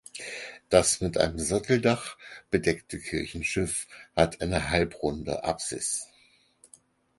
Das mit einem Satteldach bedeckte Kirchenschiff hat eine halbrunde Apsis.